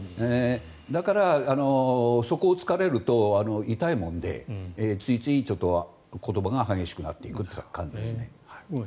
だから、そこを突かれると痛いものでついつい言葉が激しくなっていくという感じですね。